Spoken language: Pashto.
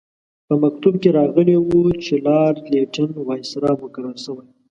په مکتوب کې راغلي وو چې لارډ لیټن وایسرا مقرر شوی.